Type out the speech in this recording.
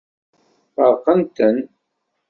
Feṛqent-ten.